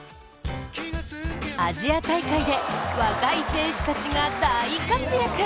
アジア大会で若い選手たちが大活躍。